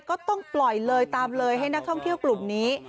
ก็ต้องปล่อยเลยตามเลยให้นักท่องเที่ยวกลุ่มนี้